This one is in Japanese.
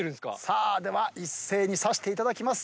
さあでは一斉に指していただきます。